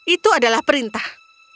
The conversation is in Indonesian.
itu adalah perintah